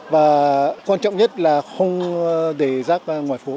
và quan trọng nhất là không để rác ngoài phố